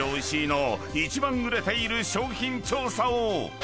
石井の一番売れている商品調査を］